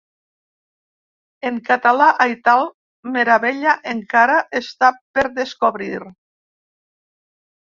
En català aital meravella encara està per descobrir.